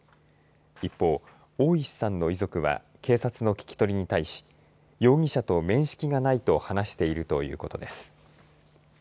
一方、大石さんの遺族は警察の聞き取りに対し容疑者と面識がないと話しているということです。